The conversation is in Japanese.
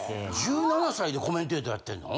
１７歳でコメンテーターやってんの？